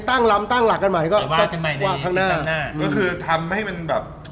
ต้องตั้งหลักกันใหม่หวะข้างหน้า